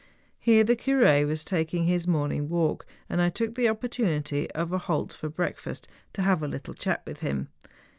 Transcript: Here the cur6 was taking his morning walk, and I took the opportunity of a halt for breakfast to have a li'tle chat with him.